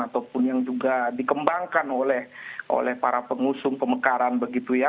ataupun yang juga dikembangkan oleh para pengusung pemekaran begitu ya